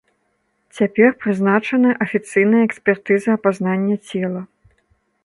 Цяпер прызначаная афіцыйная экспертыза апазнання цела.